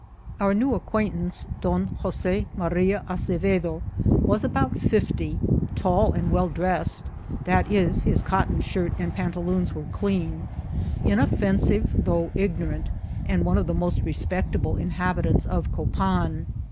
Our new acquaintance, Don Jose Maria Asebedo, vraa about fifty, tall, and well dressed; that is, his cotton shirt and pantaloons were clean ; inoffensive, though ig« mNrant ; and one of the most respectable inhabitants <^ Copan.